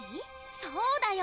そうだよ。